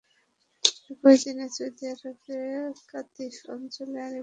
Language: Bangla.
একই দিন সৌদি আরবের কাতিফ অঞ্চলে আরেক ব্যক্তির মৃত্যুদণ্ড কার্যকর করা হয়।